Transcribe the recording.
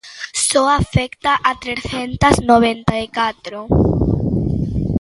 Só afecta a trescentas noventa e catro.